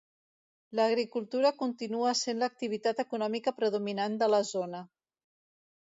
L'agricultura continua sent l'activitat econòmica predominant de la zona.